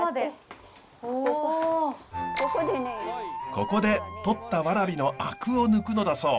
ここでとったワラビのアクを抜くのだそう。